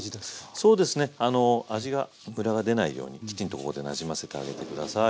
そうですね味がムラが出ないようにきちんとここでなじませてあげて下さい。